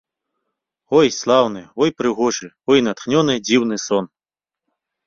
Ой, слаўны, ой, прыгожы, ой, натхнёны, дзіўны сон!